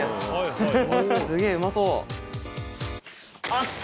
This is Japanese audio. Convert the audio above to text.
すげぇうまそう！